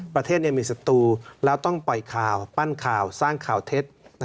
ประเทศมีศัตรูแล้วต้องปล่อยข่าวปั้นข่าวสร้างข่าวเท็จ